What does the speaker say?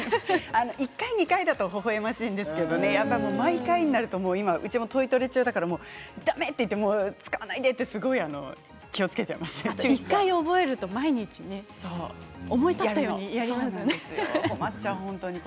１回２回だとほほえましいんですけれども毎回になるとうちも今トイトレ中だからだめ、使わないでって１回覚えると毎日ね思い立ったようにやりますよね。